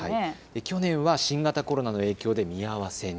去年は新型コロナの影響で見合わせに。